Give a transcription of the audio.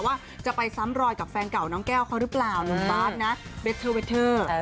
ว่าจะไปซ้ำรอยกับแฟนเก่าน้องแก้วเขาหรือเปล่าหนุ่มบาทนะเบเทอร์เวทเทอร์